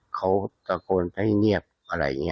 เขาตะโกนให้เงียบอะไรอย่างนี้